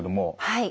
はい。